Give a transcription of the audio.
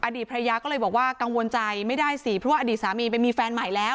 อดีตภรรยาก็เลยบอกว่ากังวลใจไม่ได้สิเพราะว่าอดีตสามีไปมีแฟนใหม่แล้ว